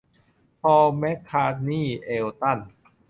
พอล แมคคาร์ทนีย์ เอลตัน